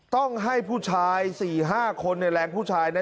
ต้องให้ผู้ชาย๔๕คนในแรงผู้ชายนะ